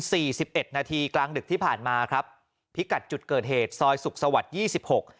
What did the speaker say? สิบเอ็ดนาทีกลางดึกที่ผ่านมาครับพิกัดจุดเกิดเหตุซอยสุขสวรรค์ยี่สิบหก